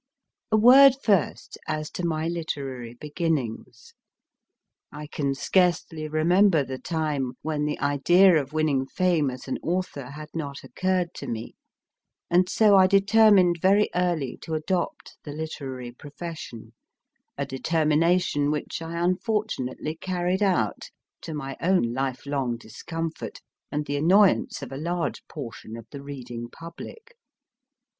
A word, first, as to my literary beginnings. I can scarcely remember the time when the idea of winning fame as an author had not occurred to me, and so I determined very early to adopt the literary profession, a determination which I unfortunately carried out, to my own life long discomfort, and the annoyance of a large portion of the reading public.